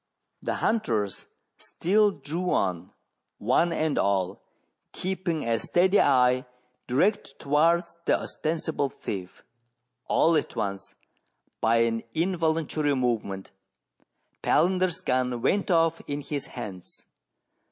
The hunters still drew on, one and all keeping a steady eye direct towards the ostensible thief. All at once, by an involuntary movement, Palander's guu went off in his hands.